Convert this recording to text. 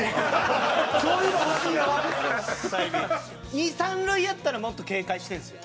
二三塁やったらもっと警戒してるんですよ